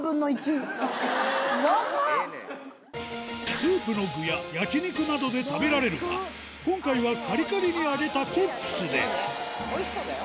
スープの具や焼き肉などで食べられるが今回はカリカリに揚げたおいしそうだよ。